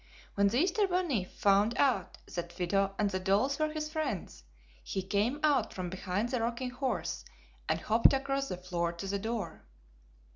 When the Easter bunny found out that Fido and the dolls were his friends, he came out from behind the rocking horse and hopped across the floor to the door.